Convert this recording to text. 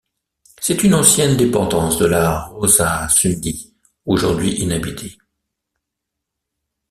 C'est une ancienne dépendance de la roça Sundy, aujourd'hui inhabitée.